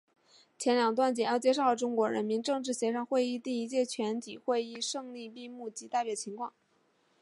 前两段简要介绍了中国人民政治协商会议第一届全体会议胜利闭幕及代表情况。